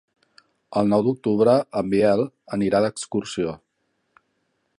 El nou d'octubre en Biel anirà d'excursió.